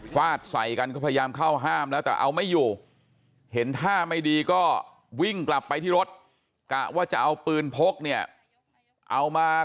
ฟาดใส่กันก็พยายามเข้าห้ามแล้วแต่เอาไม่อยู่เห็นท่าไม่ดีก็วิ่งกลับไปที่รถกะว่าจะเอาปืนพกเนี่ยเอามา